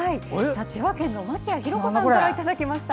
千葉県の牧谷優子さんからいただきました。